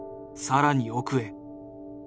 更に奥へ。